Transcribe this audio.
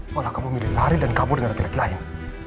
malah kamu milih lari dan kabur dengan laki laki lain